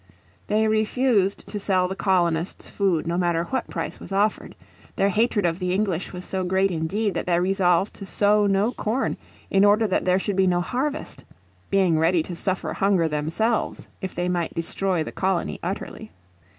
They refused to sell the colonists food no matter what price was offered. Their hatred of the English was so great indeed that they resolved to sow no corn in order that there should be no harvest; being ready to suffer hunger themselves if they might destroy the colony utterly.